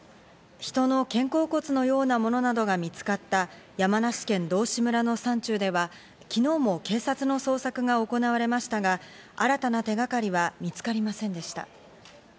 人の肩甲骨のようなものなどが見つかった山梨県道志村の山中では、昨日も警察の捜索が行われましたが、新たな手がかりは見つかりませんでした。